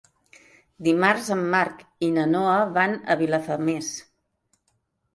Dimarts en Marc i na Noa van a Vilafamés.